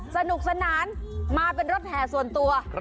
สนุกสนานมาเป็นรถแห่ส่วนตัว